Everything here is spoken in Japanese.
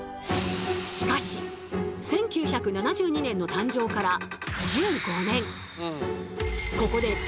しかし１９７２年の誕生から１５年。